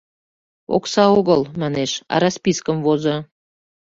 — Окса огыл, — манеш, — а распискым возо.